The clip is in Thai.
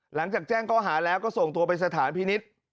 หลังจากแจ้งข้อหาแล้วก็ส่งตัวไปสถานพินิษฐ์